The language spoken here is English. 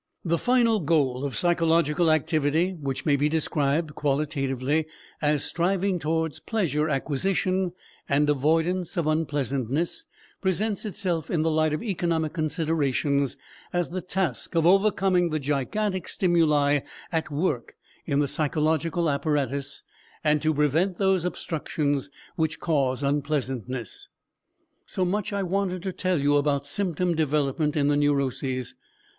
The final goal of psychological activity, which may be described qualitatively as striving towards pleasure acquisition and avoidance of unpleasantness, presents itself in the light of economic considerations as the task of overcoming the gigantic stimuli at work in the psychological apparatus, and to prevent those obstructions which cause unpleasantness. So much I wanted to tell you about symptom development in the neuroses.